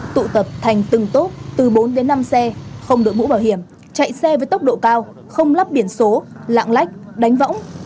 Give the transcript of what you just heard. tụ tập thành từng tốt từ bốn đến năm xe không đợi bũ bảo hiểm chạy xe với tốc độ cao không lắp biển số lạng lách đánh võng